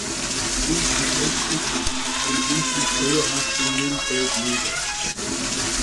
Buchner Leipzig und ließ sich dauerhaft in Nürnberg nieder.